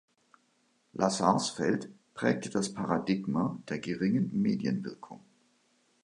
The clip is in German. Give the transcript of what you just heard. Lazarsfeld prägte das Paradigma der geringen Medienwirkung.